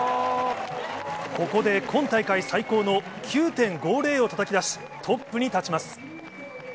ここで今大会最高の９．５０をたたき出し、トップに立ちます。